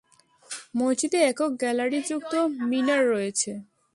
মসজিদে একক-গ্যালারিযুক্ত মিনার রয়েছে।